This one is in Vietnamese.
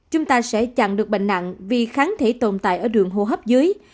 chúng ta sẽ chặn được bệnh nặng vì kháng thể tồn tại ở đường hô hấp dưới